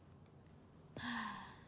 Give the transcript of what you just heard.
はあ。